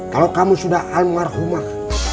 kalau kamu sudah almarhumah